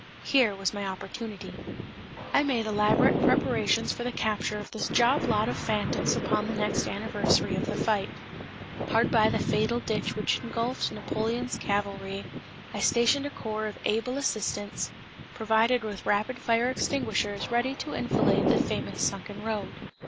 Here was my opportunity. I made elaborate preparations for the capture of this job lot of phantoms upon the next anniversary of the fight. Hard by the fatal ditch which engulfed Napoleon's cavalry I stationed a corps of able assistants provided with rapid fire extinguishers ready to enfilade the famous sunken road.